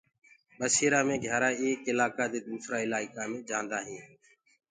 ٻيسرآ مي گھيآرآ ايڪ الآڪآ دي دوسرآ هينٚ۔